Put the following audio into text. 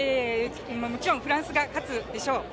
もちろんフランスが勝つでしょう。